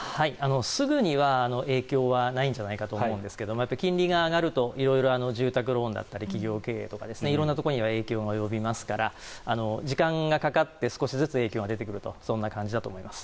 すぐには影響はないんじゃないかと思うんですが金利が上がると色々、住宅ローンだったり企業経営とか色んなところに影響が及びますから時間がかかって少しずつ影響が出てくるとそんな感じだと思います。